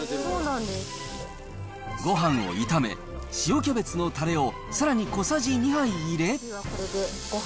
ごはんを炒め、塩キャベツのたれをさらに小さじ２杯入れ。